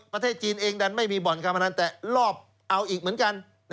ประเทศจีนเองดันไม่มีบ่อนการพนันแต่รอบเอาอีกเหมือนกัน